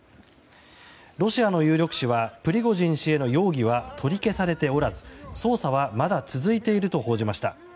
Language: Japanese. ロシアの有力紙はプリゴジン氏への容疑は取り消されておらず捜査はまだ続いていると報じました。